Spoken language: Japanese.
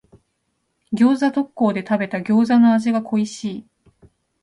餃子特講で食べた餃子の味が恋しい。